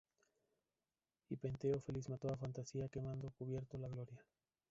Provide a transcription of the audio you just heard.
Y Penteo feliz mató al fantasma quedando cubierto de gloria.